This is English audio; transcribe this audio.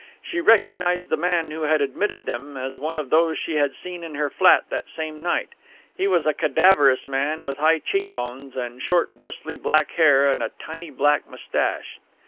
She recognized the man who had admitted them as one of those she had seen in her flat that same night. He was a cadaverous man with high cheekbones and short, bristly black hair and a tiny black moustache.